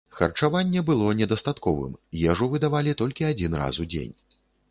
Харчаванне было недастатковым, ежу выдавалі толькі адзін раз у дзень.